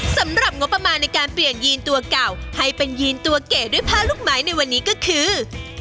สำหรับงบประมาณในการเปลี่ยนยีนตัวเก่าให้เป็นยีนตัวเก๋ด้วยผ้าลูกไม้ในวันนี้ก็คือ